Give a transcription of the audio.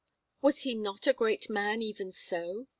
Was he not a great man, even so?